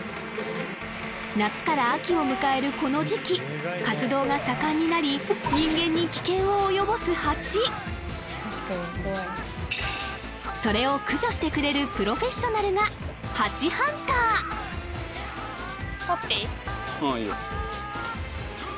夏から秋を迎えるこの時期活動が盛んになり人間に危険を及ぼすハチそれを駆除してくれるプロフェッショナルがああいいよ